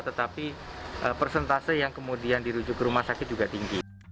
tetapi persentase yang kemudian dirujuk ke rumah sakit juga tinggi